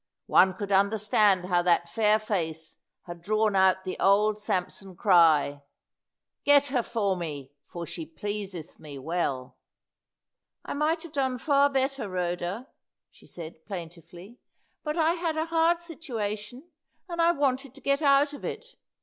One could understand how that fair face had drawn out the old Samson cry, "Get her for me, for she pleaseth me well." "I might have done far better, Rhoda," she said, plaintively; "but I had a hard situation, and I wanted to get out of it.